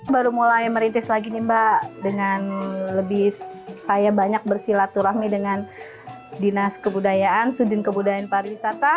baru mulai merintis lagi nih mbak dengan lebih saya banyak bersilaturahmi dengan dinas kebudayaan sudin kebudayaan pariwisata